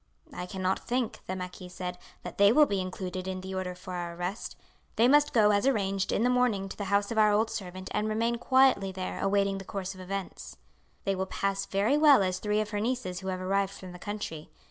"I cannot think," the marquis said, "that they will be included in the order for our arrest. They must go, as arranged, in the morning to the house of our old servant and remain quietly there awaiting the course of events. They will pass very well as three of her nieces who have arrived from the country.